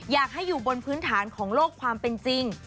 อยากให้อยู่บนพื้นฐานของโลกความเป็นจริง